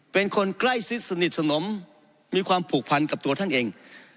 เป็นคนใกล้ชิดสนิทสนมมีความผูกพันกับตัวท่านเอง